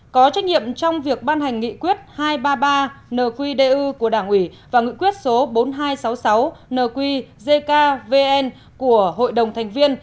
có trách nhiệm trong việc ban hành nghị quyết hai trăm ba mươi ba nqdu của đảng ủy và nghị quyết số bốn nghìn hai trăm sáu mươi sáu nqvn của hội đồng thành viên